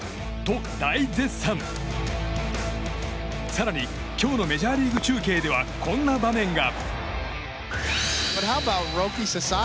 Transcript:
更に今日のメジャーリーグ中継ではこんな場面が。